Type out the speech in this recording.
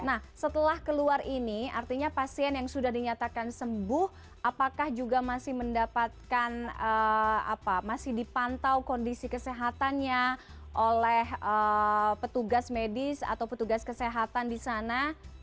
nah setelah keluar ini artinya pasien yang sudah dinyatakan sembuh apakah juga masih mendapatkan apa masih dipantau kondisi kesehatannya oleh petugas medis atau petugas kesehatan di sana